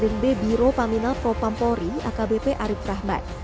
di tkp biro paminal pro pampori akbp arief rahmat